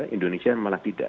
indonesia malah tidak